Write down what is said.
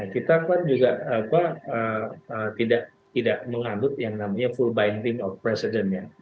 kita kan juga tidak mengandung yang namanya full binding of precedence